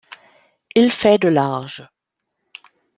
Il fait de large.